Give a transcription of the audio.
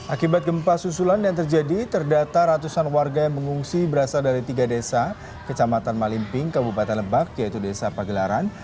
akibat gempa susulan yang terjadi terdata ratusan warga yang mengungsi berasal dari tiga desa kecamatan malimping kabupaten lebak yaitu desa pagelaran